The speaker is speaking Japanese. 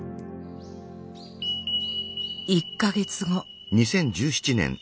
１か月後。